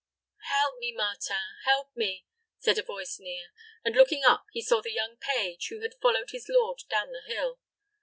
"Help me, Martin! help me!" said a voice near; and looking up, he saw the young page, who had followed his lord down the hill.